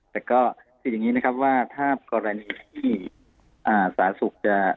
แต่ก็คืออย่างนี้นะครับว่าถ้ากรณีที่สาธารณสุขจะ